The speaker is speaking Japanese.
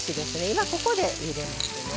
今ここで入れますね。